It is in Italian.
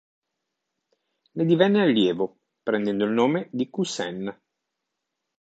Ne divenne allievo, prendendo il nome di Ku Sen.